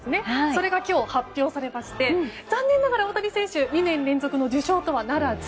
それが今日発表されまして残念ながら、大谷選手２年連続の受賞とはならず。